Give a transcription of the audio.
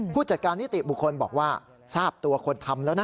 ผู้จัดการนิติบุคคลบอกว่าทราบตัวคนทำแล้วนะ